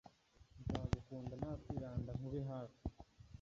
Nzagukunda ntakwiranda nkube hafi